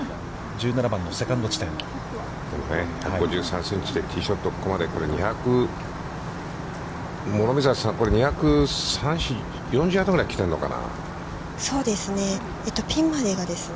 １５３センチでティーショット、ここまで、これ、諸見里さん、これ２４０ヤードぐらい来てるのかな。